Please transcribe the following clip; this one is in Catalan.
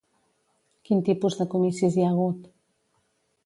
Quin tipus de comicis hi ha hagut?